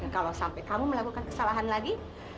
kalau sampai kamu melakukan kesalahan lagi